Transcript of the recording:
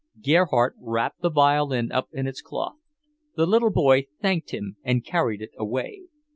Gerhardt wrapped the violin up in its cloth. The little boy thanked him and carried it away.